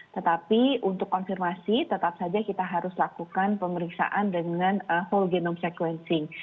tetapi untuk konfirmasi tetap saja kita harus lakukan pemeriksaan dengan whole genome sequencing